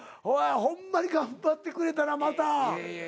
お前ほんまに頑張ってくれたなぁまた。